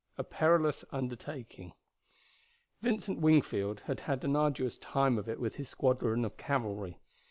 A PERILOUS UNDERTAKING. Vincent Wingfield had had an arduous time of it with his squadron of cavalry.